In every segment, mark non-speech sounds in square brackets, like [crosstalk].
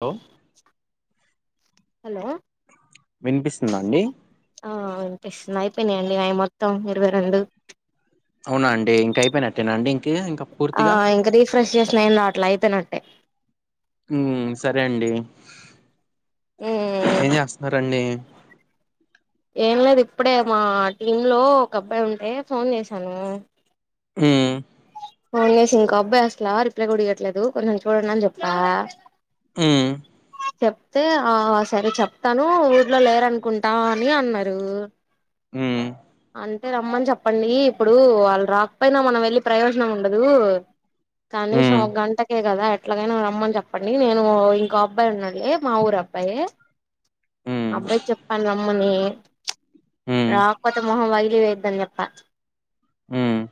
లో హలో విన్పిస్తుందా అండీ ఆ వినిపిస్తున్నాయి అయిపోయినయండి అయ్ మొత్తం ఇరవై రెండు అవ్నా అండి ఇంక అయిపెయినట్టేనా అండి ఇంకా ఆ పూర్తిగా ఇంక రీఫ్రెష్ చేసిన ఏమి రవట్ల అయిపెనట్టే ఊ సరే అండీ ఉమ్ ఏం చేస్తన్నారండీ ఏం లేదు ఇప్పుడే మా టీమ్మ్ లో ఒక అబ్బాయి ఉంటే ఫోన్ చేశానూ ఉమ్ ఫోన్ చేసి ఇంకా అబ్బాయ్ అస్లా రిప్లై కూడియట్లేదు కొంచెం చూడండి అని చెప్పా ఉమ్ చెప్తే ఆ సరే చెప్తాను ఊర్లో లేరనుకుంటా అని అన్నారు హ్మ్మ్ అంతే రమ్మని చెప్పండి ఇప్పుడు వాళ్ళు రాకపోయినా మనం వెళ్ళి ప్రయోజనం ఉండదు కనీసం ఉమ్ ఒక గంటకే కదా ఎట్లాగైనా రమ్మని చెప్పండి నేను ఇంకో అబ్బాయి ఉన్నడు లే మా ఊరు పయే ఉమ్ అబ్బాయికి చెప్పాను రమ్మని ఉమ్ రాకపోతే మొహం పగిలి పోద్దని చెప్ప హ్మ్మ్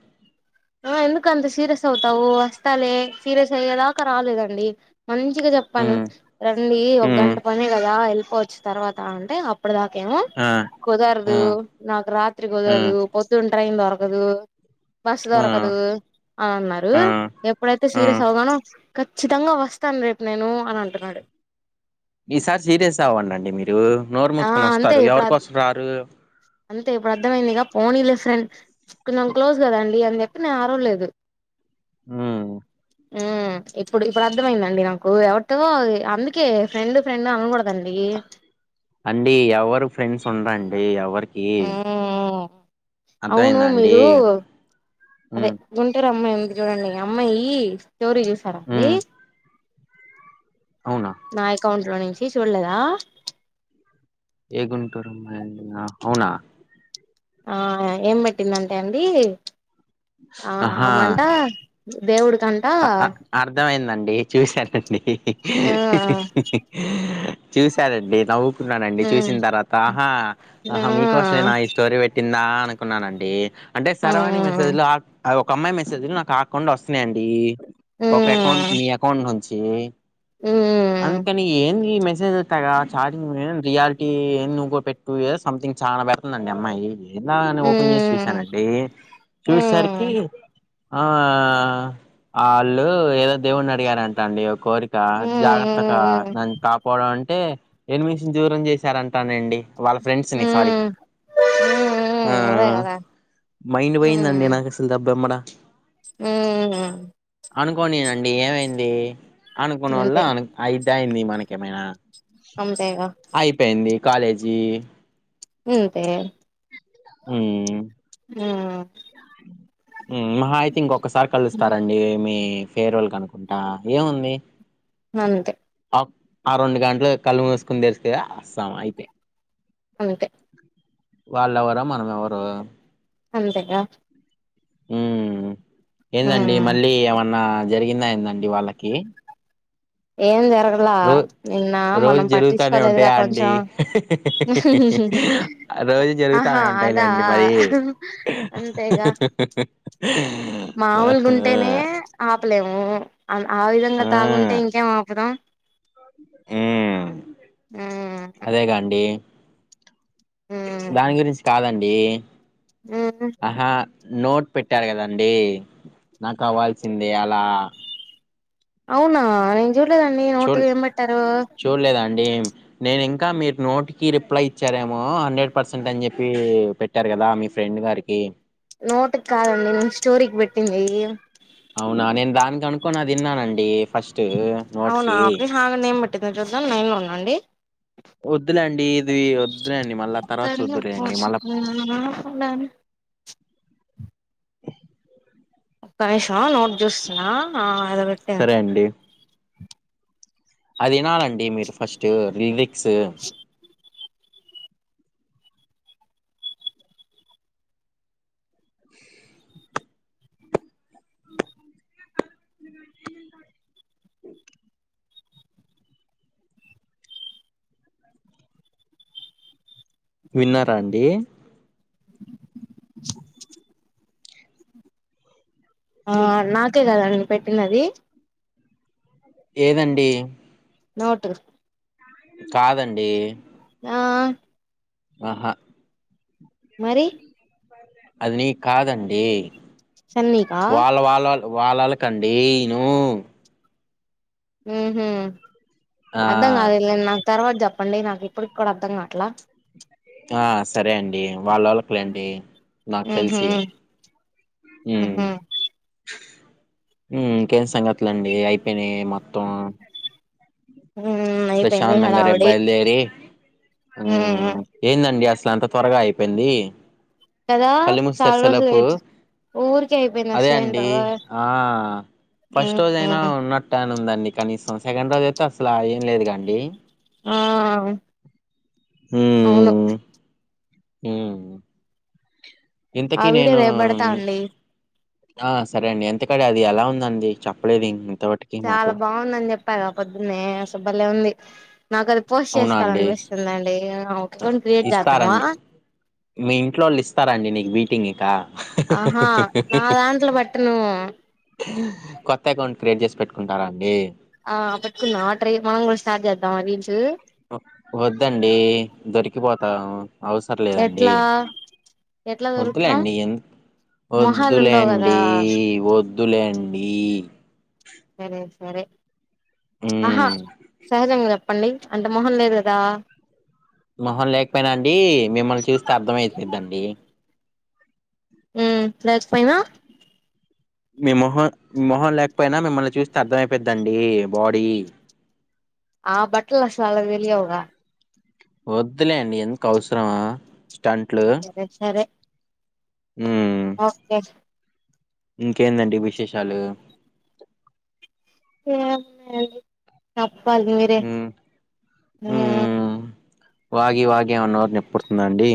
ఆ ఎందుకు అంత సీరియస్ అవుతావు వస్తలేే సీరియస్ అయ్యేదాకా రాలేదండి మంచిగా చె పను ఉమ్ రండి ఒక ఉమ్ గంట పని కదా వెళ్ళిపోవచ్చు తర్వాత అంటే అ అప్పుడుదాక ఏమో ఆ ఆ కుదారు నాకు రాత్రి ఆ కుదరదు పొద్దున్న ట్రైన్ దొరకదు బస్ ఆ దొరకదు దు అని అన్నారు ఆ ఎప్పుడైతే ఆ సీరియస్ అవగానో ఖచ్చితంగా వస్తాను రేపు నేను అని అంటున్నాడు మీసారి సీరియస్ గా అవ్వంండి మీ నోరు ఆ మూసుకొని అంతే వస్తారు ఇప్పుడు ఎవరికోసం రారు అంతే ఇప్పుడు అర్థమైందిగా పోనీలే ఫ్రెండ్ కొంచెం క్లోజ్ కదండి అని చెప్పి నేను అరవలేదు ఉమ్ ఉమ్ ఇప్పుడు ఇప్పుడు అర్థమయిందండి నాకు ఎవరితో అందుకే ఫ్రెండ్ ఫ్రెండ్ అనకూడదండి అండి ఎవరు ఫ్రెండ్స్ ఉండ్రండి ఎవరికి అవును అర్థమైందా అండి మీరు అదే ఉమ్ గుంటూరు అమ్మాయి ఉంది చూడండి అమ్మాయి స్టోరీ చూసారా అండి ఉమ్ అవునా నా అకౌంట్ లో నుంచి చూడలేదా ఏగుంటురమ్మా అవునా ఆ ఏం పెట్టిందంటే అండి ఆ ఆహా అమంటా దేవుడు అ అ అర్థమైందండి చూశారంండి ఆ చూసారంండి నవ్వు న్నానండి ఉమ్ చూసిన తర్వాత ఆహా ఆ ఆహా మీకోసమేనా ఇ స్టోరీ పెట్టిందా అనుకున్నానండి అంటే ఆ సరవైన మెసేజ్లు ఒక అమ్మాయి మెసేజ్ నాకు ఆ అకౌంట్ లో వస్తున్నాయంండి ఒక అకౌంట్ ఉమ్ మీ అకౌంట్ నుంచి ఉమ్ అందుకని ఏంది ఇ గ ఛార్జింగ్ రియాలిటీ ఏ నువ్వుో పెట్టు సంథింగ్ చాలా పెతుందిండి ఆ అమ్మాయి ఎలా అని ఉమ్ ఓపెన్ చేసి ఉమ్ చూసానండి చూసేసరికి ఉమ్ ఆ అళ్ళు ఏదో దేవుని అడిగారంట అండి కోరిక ఉమ్ జాగ్రత్తగా ఉమ్ నాన్ కాపాడు అంటే ఎనిమీస్ నీ దూరం చేశారంటానండి వాళ్ళ ఫ్రెండ్స్ ని సారీ హ్మ్ హ్మ్ ఆ హ్మ్ అదే కదా మైండ్ పోయిందండి నాకు అసలు దబ్బెమ్మడా ఉహూ అనుకోనినండి ఏమైంది అనుకోని వల్ల అంతే అ అయితయింది మనకేమైనా అంతేగా అయిపోయింది కాలేజీ ఇంతే హ్మ్ హ్మ్ హ్మ్ మహా అయితే ఇంకొక్కసారి కలుస్తారండి మీ ఫేర్వల్ కనుకుంటా ఏముంది అంతే ఆ రెండు గంటలు కళ్ళు మూసుకుని తెరుస్తుద వస్తా అయితే అంతే వాళ్ళ ఎవరో మనం ఎవరో అంతేగా ఉమ్ ఏందండి హ్మ్ మళ్ళీ ఏమన్నా జరిగిందా ఏందండి వాళ్ళకి ఏం జర ఇలా రో నిన్న రోజు మనం జరుగుతానే పట్టించుకోలేదుగా ఉంటాయా అండి కొంచెం రోజు ఆహా జరుగుతానే అదా ఉంటాయిలేండి మరి అంతేగా మాముూలు గుంటేనే ఆపలేము ఆ విధంగా తాగుంటే ఇంకేం ఆపుదాం ఉమ్ హ్మ్ అదే కాండి దాని గురించి కాదండి ఉహూ ఆహా నోట్ పెట్టారు కదండి నాకు అవ్వాల్సింది అలా అవునా నేను చూడలేదండి నోటు ఏంబేట్టారు అండి నేను ఇంకా మీరు నోట్ కి రిప్లై ఇచ్చారేమో హండ్రెడ్ పర్సెంట్ అని చెప్పి పెట్టారు కదా మీ ఫ్రెండ్ గారికి నోటుకి కాదండి నేను స్టోరీకి పెట్టింది ఇది అనుకొని అది విన్నానండి ఫస్ట్ అవునా నోటికి ఒక్క నిమిషం ఆగండి ఏం పెట్టిందో చూద్దాం లైన్లో ఉండండి వద్దులే అండి ఇది వద్దులే అండి మళ్ళా తర్వాత చూద్దులే అండి మళ్ళా [unintelligible] ఒక్క నిమషం నోట్ చూస్తున్నా ఏదో పెట్టారు సరే అండి అది వినాలండి మీరు ఫస్ట్ లిరిక్స్ విన్నారా అండి ఆ నాకే కదండి పెట్టిందది ఏదండి నోట్ కాదండి ఆ ఆహా మరి అది నీకు కాదండి సన్నీకా వాళ్ళళకండిను ఊహూ ఆ అర్థం కాలేదు లేండి నాకు తర్వాత చెప్పండి నాకు ఇప్పుడుకి కూడా అర్థం కాట్లా ఆ సరే అండి వాళ్ళోళ్ళకులేండి నాకు ఉహు తెలిసి ఉహు ఇంకేం సంగతులడి అయిపోయినయి మొత్తం ఉమ్ అయిపోయింది ప్రశాంతంగా రేపు హడావుడి బయలుదేరి ఉమ్ హ్మ్ ఏందండి అస్ అసల అంత త్వరగా అయిపోయింది కదా కళ్ళు మూసి చాలా తెరిచే రోజులు లోపు ఊరికే అయిపోయింది అదే అసలేంటో అండి ఆ ఫస్ట్ రోజ అయినా ఉమ్ ఉన్నట్ట ఉందండి కనీసం సెకండ్ రోజయితే అసలు ఏం లేదుగా అండి ఆ అవును హ్మ్ ఆ ఇంతకీ వీడియో నేను రేపు పెడతా అండి ఆ సరే అండి ఇంతకీ ఆడ అది ఎలా ఉందండి చెప్పలేదు ఇం చాలా బాగుందని చెప్పగా పొద్దున్నే అసలు భలే ఉంది నాకు అది పోస్ట్ అవునా అండి చేసుకోవాలినిపిస్తుందండి ఒక ఆ, అకౌంట్ క్రియేట్ చేద్దామా ఇస్తారండి మీ ఇంట్లో వాళ్ళు ఇస్తారండి నీకు బీటింగ్ ఇక ఆహా నా దాంట్లో పెట్టను కొత్త అకౌంట్ క్రియేట్ చేసి పెట్టుకుంటారా అండి ఆ పెట్టుకుందామా ట్రై మనం కూడా స్టార్ట్ చేద్దామా రీల్స్ వ- వద్దండి దొరికిపోతాము అవసరం లేదండి ఎట్లా ఎట్లా దొరుకుతాం వద్దులేండి ఎం మొహాలు ఉండవు కదా వద్దులేండి వద్ వద్దులేండి సరే సరే ఆహా మ్మ్ సహజంగా చెప్ చెప్పండి అంత మొహం లేదు కదా మొహం లేకపోయినా అండి మిమ్మల్ని చూస్తే అర్ధం అయిద్దండి హ్మ్ లేచిపోయినా మీ మొహం మీ మొహం లేకపోయినా మిమ్మల్ని చూస్తే అర్థం అయిపోయిద్దండి బాడీ [inaudible] ఆ బట్టలు అసలు ఆళ్ళకు తెలియవుగా వద్దులేండి ఎందుకు అవసరమా స్టంట్లు సరే సరే ఉమ్ ఓకే ఇంకేందండి విశేషాలు ఉమ్ చెప్పాలి మీరే మ్మ్ ఉమ్ మ్మ్ వాగి వాగి ఏమన్న నొప్పి పుడుతుందా అండి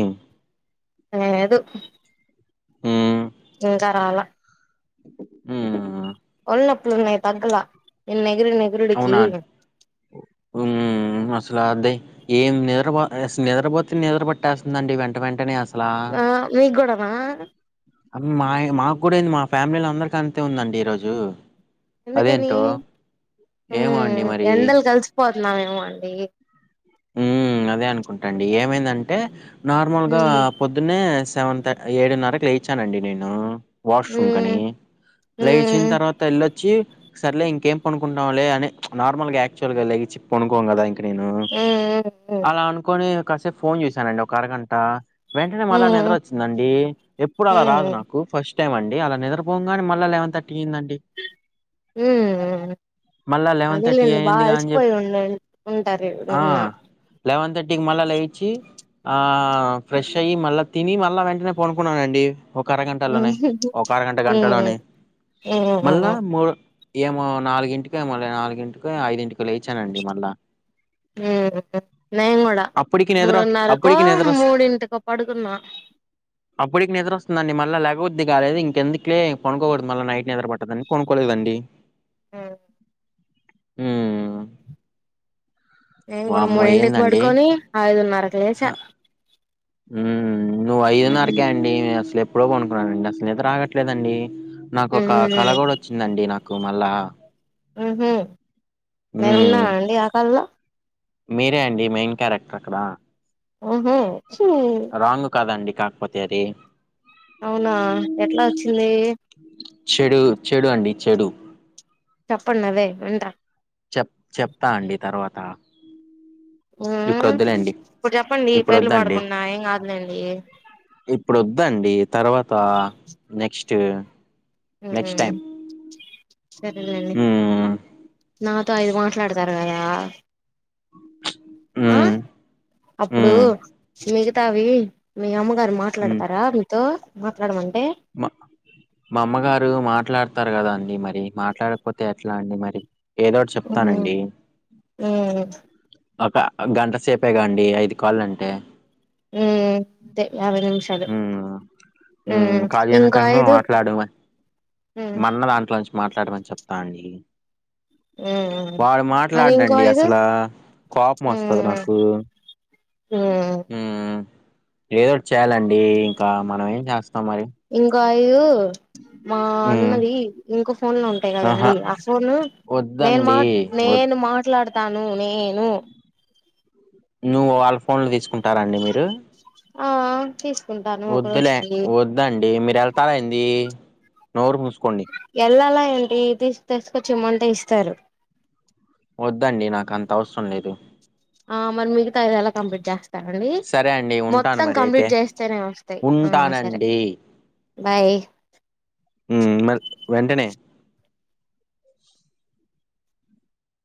లేదు ఉమ్ ఇంకా రాలా ఉమ్ ఒళ్ళు నొప్పులు ఉన్నాయి తగల ఎంది అవునా ఉమ్మ అసలు అద్ద్ ఏం నిద్రబ నిద్రపోతే నిద్ర పట్టేస్తుందండి వెంట వెంటనే వస్తుంది అలా ఆ మీకు కూడానా అ మాయ మా కూడా ఏంది మా ఫ్యామిలీలో అందరిక అంతే ఉందండి ఈ రోజు ఎందుకని ఏమో అండి ఉమ్ మరి. ఎండలకు అలసిపోతున్నావేమో అండి ఉ అదే అనకుంటాండి ఏమైందంటే నార్మల్గా ఉమ్ పొద్దున్నే సెవెన్థ ఏడున్నరకు లేయిచానండి నేను వాష్ రూమ్ కనీ ఉమ్ లేచిన ఉమ్ తర్వాత వెళ్ళొచ్చి సర్లే ఇంకేం పనుకుంటాంలలే అని నార్మల్గాయాక్చువల్ గా లేగి చిప్పు ప కొనుకోం కదా ఇంక నేను ఉమ్ ఇప్లడు అలా అనుకోని కాసేపు ఫోన్ చేశానండి ఒక అరగంట వెంటనే ఉమ్ మళ నిద్ర ఉమ్ వచ్చిందండి ఎప్పుడు అలా రాదు ఉమ్ నాకు ఫస్ట్ ఫస్ట్ టైం అండి అలా నిద్రపో ని మళ్ళా లెవెన్ థర్టీ ఇందండి ఉమ్ మళ్ళా లెవెన్ థర్టీ అదేలేండి బాగా అయిందిగా అని అలసిపోయి చెప్పి ఉండ ఉంటారు ఆ నిన్న లెవెన్ థర్టీకి మళ్ళా లేచి ఆ ఫ్రెష్ అయ్యి మళ్ళా తిని మళ్ళా వెంటనే పనుకున్నానండి ఒక అరగంటలోనే ఉమ్ ఒక అరగంట గంటలోనే ఉమ్ మళ్ళా మూడు ఏమో నాలుగింటిక మళ్ళీ నాలుగింటికి ఐదింటిక లేచానండి మళ్ళా ఉమ్ నేను కూడా అప్పటికి నిద్ర మూడున్నరకో అప్పటికి మూడింటికో పడుకున్నా అప్పటికి నిద్రొస్తుంద అండి మళ కాలేదు ఇంకెందుకులే కొనుకోకూడదు మళ్ళ నైట్ నిద్ర పట్టదండి కొనుకోలేదండి ఉమ్ ఉమ్ నే ఇ కూడాడు వామ్మో మూడి ఇంటికి ఏందండి పడుకొని ఐదున్నరకు లె చ నువ్వు ఐదున్నరకే అండి నే అసలు ఎప్పుడో ఉమ్ కొనుకున్నానండి అసలుయితే రాగట్లేదండి నాకు ఒక ఉమ్ కళ కూడాడ వచ్చిందండి నాకు మళ్ళా ఉఆహ మేము ఉన్నా ఉమ్ అండి ఆ కళలో మీరే అండి మెయిన్ క్యారెక్టర్ అక్కడ ఆహా స కదండి కాకపోతే అది అవునా ఎట్లా వచ్చింది చెడు చెడు అండి చెడు చెప్పండి అవే ఉంట చెప్ చెప్తా అండి తరువాత ఉ ఇప్పుడు చెప్పండి ఇప్పుడు పెేర్లు వద్దండి పడకుండా ఏం కాదులేండి ఇప్పుడు వద్దండి తర్వాత నెక్స్ట్ ఆ నెక్స్ట్ టైం సరేలేండి హ్మ్. నాతో ఐదు మాట్లాడతారు కదా ఆ హ్మ్. అప్పుడు హ్మ్. మిగతా అవి మీ అమ్మగారు హ్మ్. మాట్లాడతారా మీతో మాట్లాడమను మా మామ్మగారు మాట్లాడతారు కదా అండి మరి మాట్లాడకపోతే ఎట్లా అండి మరి ఏదోటి ఉమ్ ఉమ్ చెప్తానండి ఉమ్ ఒక గంట సేపే కాండి ఐదు కాలు అంటే హ అంతే యావై నిమిషాలు ఉమ్ కాళీ అనట ఇంకో ఐదు మాట్లాడ ఉమ్ మన్న దాంట్లోంచి మాట్లాడమని చెప్తా అండి వాడు మరి ఇంకో మాట్లాడడంండి ఐదు అసలు కోపం వస్తుంది మ్మ్ నాకు మ్మ్ ఆ ఏదో ఒకటి చేయాలండి ఇంకా మనం ఏం చేస్తాం మరి కాయు మా హ్మ్. అన్నది ఇంకో ఫోన్ లో ఉంటాయి ఆహా! కదండి ఆ ఫోను నేను వద్దండి. మాట్ వద్ నేను మాట్లాడతాను నేను నువ్వు వాళ్ళ ఫోన్లు తీసుకుంటారండి మీరు ఆ తీ వద్దులే వదుండి మీరు వెళ్తాలయింది నోరు ముూసుకోండి ఎళ్ళాలా ఏంటి తీ తీసుకొచ్చి ఇమంట ఇస్తారు వద్దండి నాకు అంత అవసరం లేదు ఆ మరి మీకుతాయిద ఎలా కంప్లీట్ చేస్త డి సరే అండి ఉంటాను మొత్తం మరి అయితే కంప్లీట్ చేస్తేనే వస్తాయి ఆ సరే ఉంటానండి బాయ్ మ వెంటనే